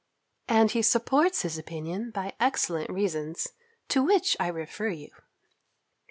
And he supports his opinion by excellent reasons, to which I refer you.